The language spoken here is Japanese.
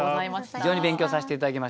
非常に勉強させて頂きました。